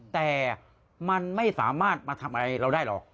แต่มันไม่สามารถมาทำอะไรเราได้หรอก